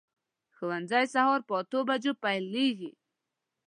ښوونځی سهار په اتو بجو پیلېږي.